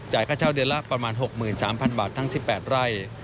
ค่าเช่าเดือนละประมาณ๖๓๐๐บาททั้ง๑๘ไร่